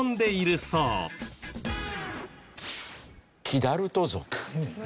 キダルト族？